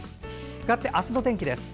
かわって明日の天気です。